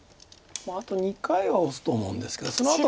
あと２回はオスと思うんですけど。